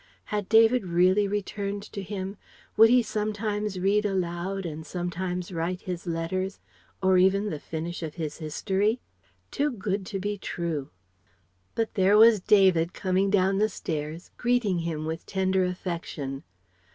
Had David really returned to him? Would he sometimes read aloud and sometimes write his letters, or even the finish of his History? Too good to be true! But there was David coming down the stairs, greeting him with tender affection.